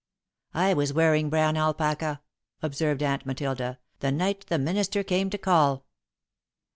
"I was wearing brown alpaca," observed Aunt Matilda, "the night the minister came to call."